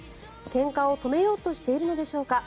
けんかを止めようとしているのでしょうか。